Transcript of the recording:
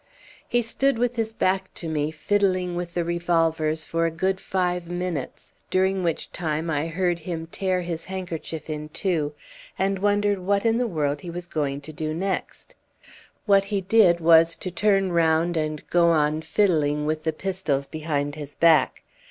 "He stood with his back to me, fiddling with the revolvers for a good five minutes, during which time I heard him tear his handkerchief in two, and wondered what in the world he was going to do next. What he did was to turn round and go on fiddling with the pistols behind his back.